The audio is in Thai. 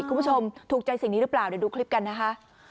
คุณผู้ชมถูกใจสิ่งนี้หรือเปล่าเดี๋ยวดูคลิปกันนะคะ